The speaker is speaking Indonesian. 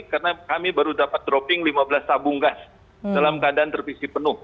karena kami baru dapat dropping lima belas tabung gas dalam keadaan tervisi penuh